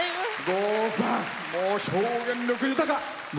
郷さん、もう表現力豊か。